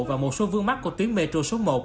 và một số vương mắc của tuyến metro số một